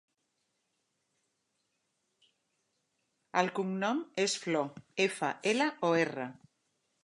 El cognom és Flor: efa, ela, o, erra.